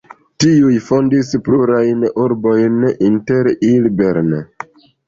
Tiuj fondis plurajn urbojn, inter ili Bern.